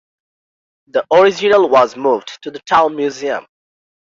The original was moved to the town museum.